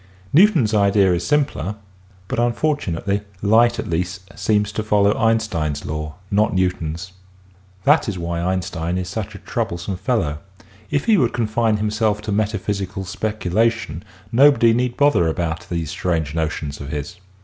Newton's idea is simpler, but unfortunately light at least seems to follow Einstein's law, not Newton's. That is why Einstein is such a troublesome fellow. If he would confine himself to metaphysical speculation nobody need bother about these strange notions of his.